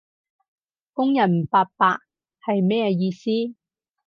人工八百？係乜嘢意思？